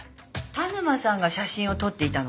田沼さんが写真を撮っていたの？